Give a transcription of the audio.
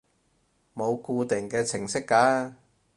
冇固定嘅程式㗎